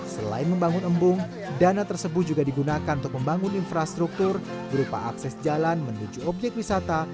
selain membangun embung dana tersebut juga digunakan untuk membangun infrastruktur berupa akses jalan menuju objek wisata